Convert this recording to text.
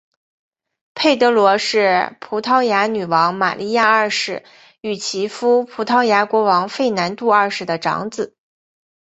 佩德罗是葡萄牙女王玛莉亚二世与其夫葡萄牙国王费南度二世的长子。